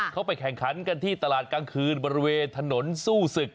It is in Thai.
เขาไปแข่งขันกันที่ตลาดกลางคืนบริเวณถนนสู้ศึก